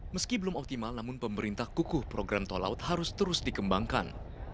meski belum optimal namun pemerintah kukuh program tol laut harus terus dikembangkan